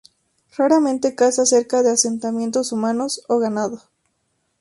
Raramente, caza cerca de asentamientos humanos o ganado.